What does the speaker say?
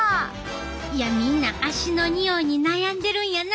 いやみんな足のにおいに悩んでるんやな。